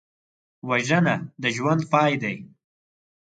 وژنه د ژوند پای دی